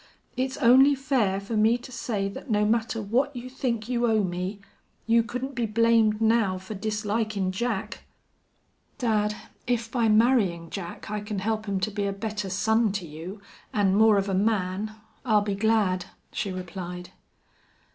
It's only fair fer me to say that no matter what you think you owe me you couldn't be blamed now fer dislikin' Jack." "Dad, if by marrying Jack I can help him to be a better son to you, and more of a man, I'll be glad," she replied.